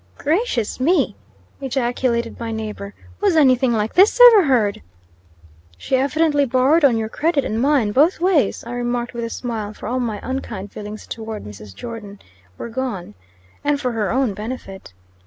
"Gracious me!" ejaculated my neighbor. "Was anything like this ever heard?" "She evidently borrowed on your credit and mine both ways," I remarked with a smile, for all my unkind feelings toward Mrs. Jordon were gone, "and for her own benefit."